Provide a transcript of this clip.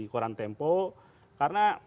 koran tempo karena